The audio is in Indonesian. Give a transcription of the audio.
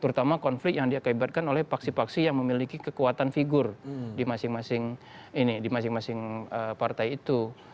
terutama konflik yang diakibatkan oleh paksi paksi yang memiliki kekuatan figur di masing masing di masing masing partai itu